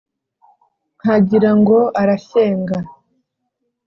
Nkagira ngo arashyenga